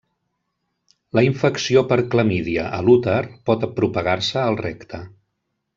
La infecció per clamídia a l'úter pot propagar-se al recte.